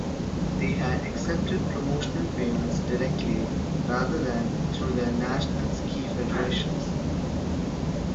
They had accepted promotional payments directly, rather than through their national ski federations.